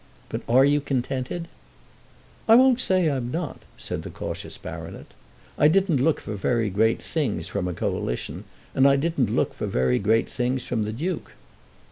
But are you contented?" "I won't say I'm not," said the cautious baronet. "I didn't look for very great things from a Coalition, and I didn't look for very great things from the Duke."